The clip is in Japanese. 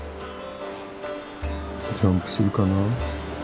ジャンプするかな。